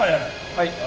はい。